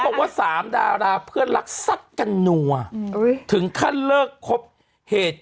บอกว่าสามดาราเพื่อนรักซัดกันนัวถึงขั้นเลิกครบเหตุ